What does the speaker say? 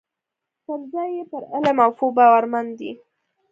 پر ځای یې پر علم او پوه باورمن دي.